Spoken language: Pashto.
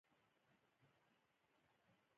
بوروکراسي د وړو شرکتونو پرمختګ ورو کوي.